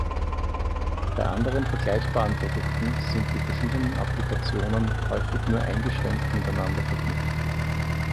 Bei anderen vergleichbaren Produkten sind die verschiedenen Applikationen häufig nur eingeschränkt miteinander verknüpft.